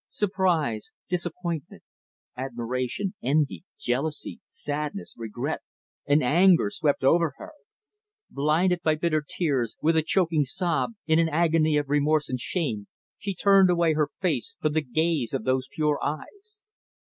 Surprise, disappointment admiration, envy, jealousy, sadness, regret, and anger swept over her. Blinded by bitter tears, with a choking sob, in an agony of remorse and shame, she turned away her face from the gaze of those pure eyes.